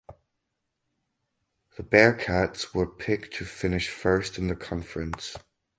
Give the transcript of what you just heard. The Bearkats were picked to finish first in the conference.